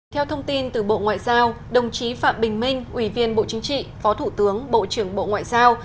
theo thông tin từ bộ ngoại giao đồng chí phạm bình minh ủy viên bộ chính trị phó thủ tướng bộ trưởng bộ ngoại giao